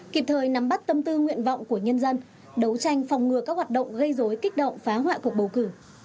kịp thời nắm bắt tâm tư nguyện vọng của nhân dân đấu tranh phòng ngừa các hoạt động gây dối kích động phá hoại cuộc bầu cử